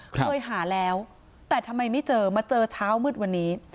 เคยหาแล้วแต่ทำไมไม่เจอมาเจอเช้ามืดวันนี้